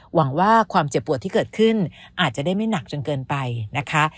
หวังว่าความเจ็บปวดที่เกิดขึ้นอาจจะได้ไม่หนักจนเกินไปนะคะ